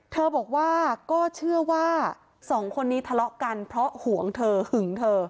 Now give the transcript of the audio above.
เธอบอกว่าก็เชื่อว่าสองคนนี้ทะเลาะกันเพราะห่วงเธอหึงเธอ